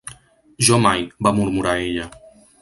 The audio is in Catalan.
"Jo, mai", va murmurar ella.